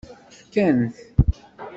Fkan-t.